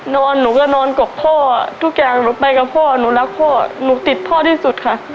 หนูก็นอนกกพ่อทุกอย่างหนูไปกับพ่อหนูรักพ่อหนูติดพ่อที่สุดค่ะ